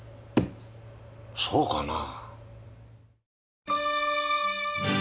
そうかな。